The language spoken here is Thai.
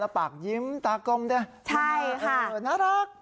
ปากยิ้มตากลมน่ารัก